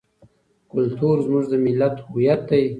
کلتور زموږ د ملت هویت دی.